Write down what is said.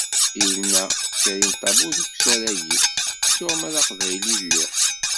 Yenna Karim Tabu deg usarag-is: " ttuɣ ma d aqbayli i lliɣ."